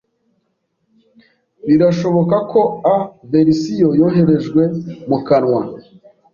birashoboka ko a verisiyo yoherejwe mu kanwa